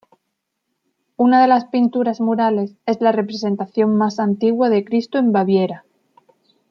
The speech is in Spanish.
Una de las pinturas murales es la representación más antigua de Cristo en Baviera.